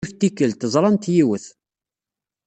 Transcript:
Yiwet n tikkelt, ẓrant yiwet.